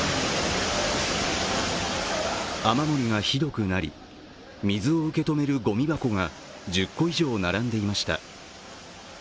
雨漏りがひどくなり水を受け止めるゴミ箱が１０個以上並んでいました。